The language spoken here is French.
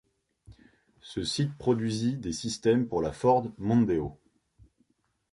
Ce site produisit des systèmes pour la Ford Mondeo.